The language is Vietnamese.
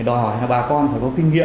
đòi hỏi là bà con phải có kinh nghiệm